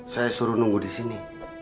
saya suruh nunggu disini